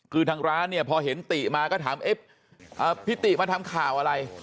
คือทางร้านเนี่ยพอเห็นติมาก็ถามเอ๊ะพี่ติมาทำข่าวอะไร